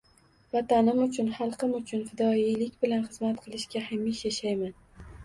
Vatanim uchun, xalqim uchun fidoyilik bilan xizmat qilishga hamisha shayman!